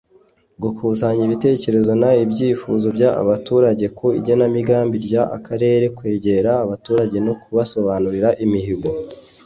gukusanya ibitekerezo n ibyifuzo by abaturage ku igenamigambi ry akarere kwegera abaturage no kubasobanurira imihigo